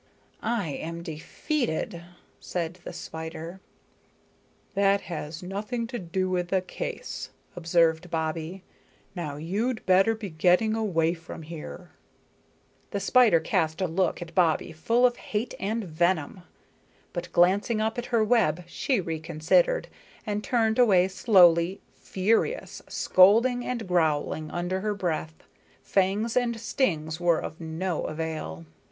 "I am defeated," said the spider. "That has nothing to do with the case," observed Bobbie. "Now you'd better be getting away from here." The spider cast a look at Bobbie full of hate and venom; but glancing up at her web she reconsidered, and turned away slowly, furious, scolding and growling under her breath. Fangs and stings were of no avail.